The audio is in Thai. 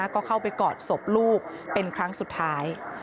ก็เข้าไปกอดศพลูกเป็นครั้งสุดท้าย